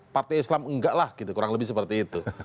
partai islam enggak lah gitu kurang lebih seperti itu